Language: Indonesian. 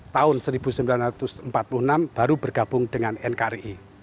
tahun seribu sembilan ratus empat puluh enam baru bergabung dengan nkri